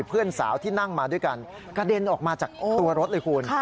เพื่อนสาวที่นั่งมาด้วยกันกระเด็นออกมาจากตัวรถเลยคุณ